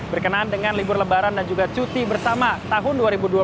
berkenaan dengan libur lebaran dan juga cuti bersama tahun dua ribu dua puluh